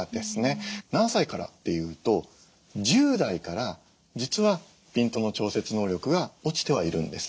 何歳からっていうと１０代から実はピントの調節能力が落ちてはいるんですね。